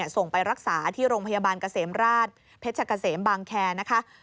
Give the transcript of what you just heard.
ส่งไปรักษาที่โรงพยาบาลเกษมราชเพชรเกษมบางแคร์นะคะ